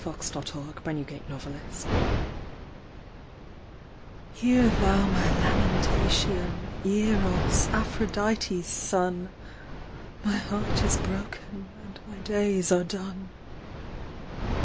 93 CRY OF THE NYMPH TO EROS Hear thou my lamentation, Eros, Aphrodite s son! My heart is broken and my days are done.